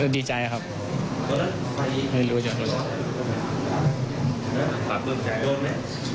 ดีใจครับไม่รู้ว่าจะเป็นไร